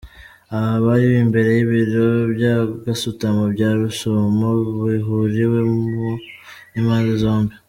Aha bari imbere y’ibiro bya Gasutamo bya Rusumo bihuriweho n’impande zombi.